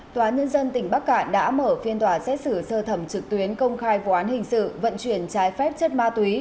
tòa nhân dân tỉnh bắc cạn đã mở phiên tòa xét xử sơ thẩm trực tuyến công khai vụ án hình sự vận chuyển trái phép chất ma túy